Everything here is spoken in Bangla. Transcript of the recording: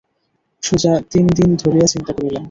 সুজা তিন দিন ধরিয়া চিন্তা করিলেন।